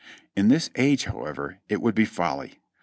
In this age, however, it would be folly.